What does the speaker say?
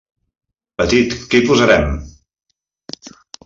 Petit, què hi posarem?